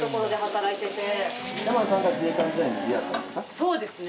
そうですね。